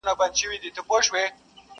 ټولوي رزق او روزي له لویو لارو!!